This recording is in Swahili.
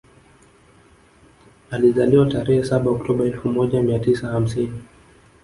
Alizaliwa tarehe saba Octoba elfu moja mia tisa hamsini